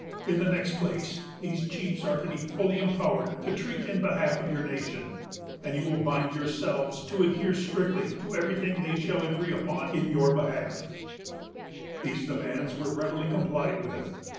In the next place, these chiefs are to be fully empowered to treat in behalf of your nation; and you will bind yourselves to adhere strictly to every thing they shall agree upon in your behalf." These demands were readily complied with.